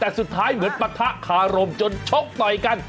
แต่สุดท้ายเหมือนปะทะคารมจนชกต่อยกัน